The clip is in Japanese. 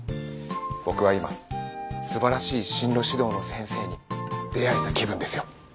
僕は今すばらしい進路指導の先生に出会えた気分ですよ。